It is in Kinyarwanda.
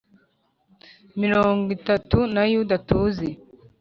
mirongo itatu na yuda tuzi